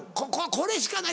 これしかない！